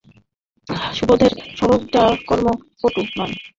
সুবোধের স্বভাবটা কর্মপটু নয় বলিয়াই আমি তাকে খুব কষিয়া কাজ করাইতে লাগিলাম।